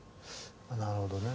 なるほどね。